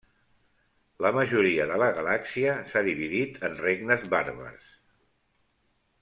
La majoria de la galàxia s'ha dividit en regnes bàrbars.